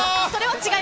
違う？